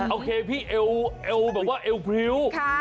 โอเคพี่เอวแบบว่าเอวพริ้ว